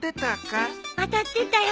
当たってたよ